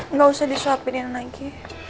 engga usah disuapinin lagi